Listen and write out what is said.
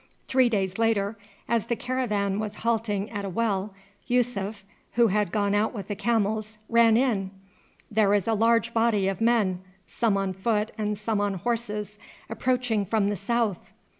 Three days later, as the caravan was halting at a well, Yussuf, who had gone out with the camels, ran in. "There is a large body of men, some on foot and some on horses, approaching from the south."